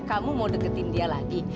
kamu mau deketin dia lagi